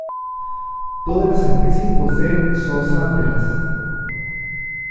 Todas las especies poseen zooxantelas.